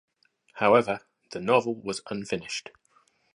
However, the novel was unfinished.